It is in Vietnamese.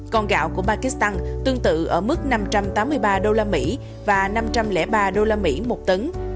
còn gạo của pakistan tương tự ở mức năm trăm tám mươi ba đô la mỹ và năm trăm linh ba đô la mỹ một tấn